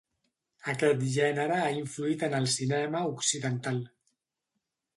Aquest gènere ha influït en el cinema occidental.